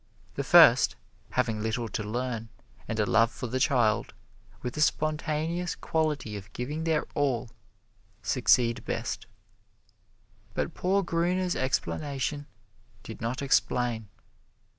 The first, having little to learn, and a love for the child, with a spontaneous quality of giving their all, succeed best. But poor Gruner's explanation did not explain.